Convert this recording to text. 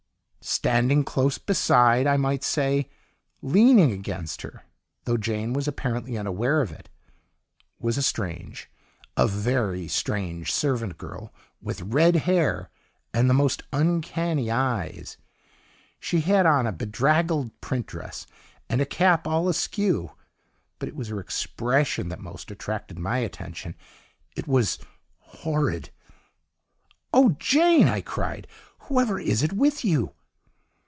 "Standing close beside I might almost say, leaning against her (though Jane was apparently unaware of it) was a strange, a VERY STRANGE, servant girl, with RED HAIR and the most uncanny eyes; she had on a bedraggled print dress and a cap all askew; but it was her expression that most attracted my attention it was HORRID. "'Oh Jane!' I cried, 'whoever is it with you?